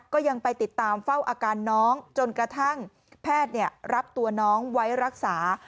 ก็ยังไปติดตามเฝ้าอาการน้องจนกระทั่งแพทย์รับตัวน้องไว้รักษา